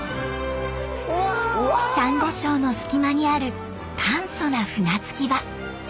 サンゴ礁の隙間にある簡素な船着き場。